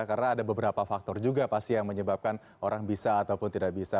karena ada beberapa faktor juga pasti yang menyebabkan orang bisa ataupun tidak bisa